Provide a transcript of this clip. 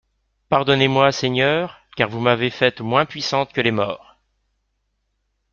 Pardonnez-moi, Seigneur, car vous m'avez faite moins puissante que les morts!